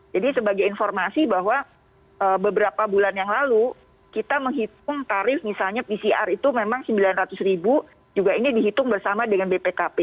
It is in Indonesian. jadi sebagai informasi bahwa beberapa bulan yang lalu kita menghitung tarif misalnya pcr itu memang rp sembilan ratus juga ini dihitung bersama dengan bpkp